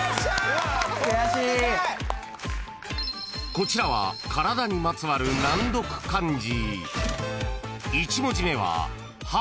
［こちらは体にまつわる難読漢字］